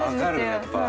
やっぱ。